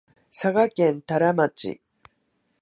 佐賀県太良町